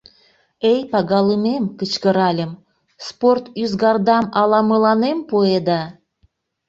— Эй, пагалымем, — кычкыральым, — спорт ӱзгардам ала мыланем пуэда?